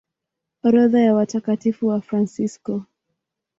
Orodha ya Watakatifu Wafransisko